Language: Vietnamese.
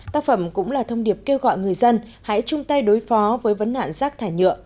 tác phẩm cũng là thông điệp kêu gọi người dân hãy chung tay đối phó với vấn nạn rác thải nhựa